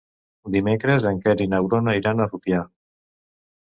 Dimecres en Quer i na Bruna iran a Rupià.